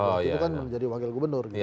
berarti itu kan menjadi wakil gubernur